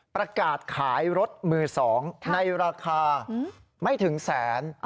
ประกาศขายรถมือ๒ในราคาไม่ถึงแสน